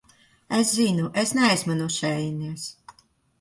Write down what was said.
Es zinu, es neesmu no šejienes.